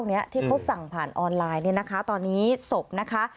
เนี้ยที่เขาสั่งผ่านออนไลน์เนี่ยนะคะตอนนี้ศพนะคะ